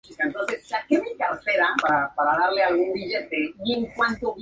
Nació en la familia de un maestro de escuela judío.